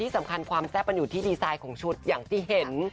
สำคัญความแซ่บมันอยู่ที่ดีไซน์ของชุดอย่างที่เห็น